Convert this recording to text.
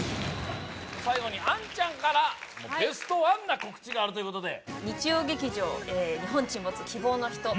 最後に杏ちゃんからベストワンな告知があるということで日曜劇場「日本沈没―希望のひと―」